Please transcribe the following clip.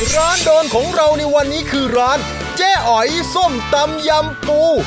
ร้านโดนของเราในวันนี้คือร้านเจ๊อ๋อยส้มตำยำปู